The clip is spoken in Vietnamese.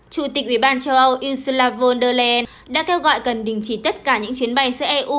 chủ tịch ủy ban châu âu ursula von der leyen đã kêu gọi cần đình chỉ tất cả những chuyến bay giữa eu